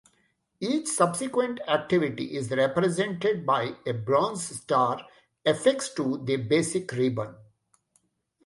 Each subsequent activity is represented by a bronze star affixed to the basic ribbon.